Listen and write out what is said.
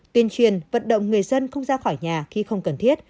tuyên truyền vận động người dân không ra khỏi nhà khi không cần thiết